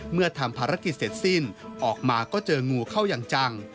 เมื่อทำภารกิจเสร็จสิ้นออกมาก็เจองูเข้าอย่างจัง